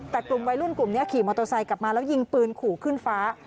แต่กลุ่มวัยรุ่นกลุ่มนี้ขี่มอเตอร์ไซค์กลับมาแล้วยิงปืนขู่ขึ้นฟ้า